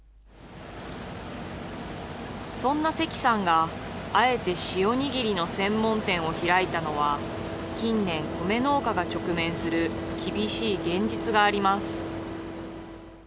そんな関さんがあえて塩にぎりの専門店を開いたのは、近年、米農家が直面する厳しい現実があります。